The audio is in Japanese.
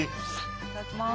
いただきます。